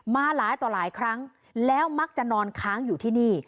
มาหลายต่อหลายครั้งแล้วมักจะนอนค้างอยู่ที่นี่